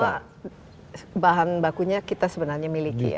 dan ini semua bahan bakunya kita sebenarnya miliki ya